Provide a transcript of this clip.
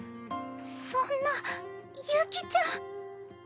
そんな悠希ちゃん。